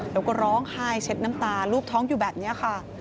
แล้วก็ร้องไห้เช็ดน้ำตาลูกท้องอยู่แบบนี้ค่ะ